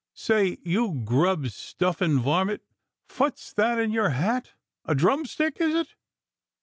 Say! You grub stuffin' varmint! Phwat's that in your hat? A droom stick, is it?